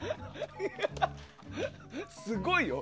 すごいよ。